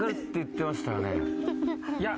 いや。